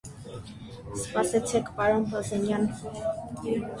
- Սպասեցեք, պարոն Բազենյան: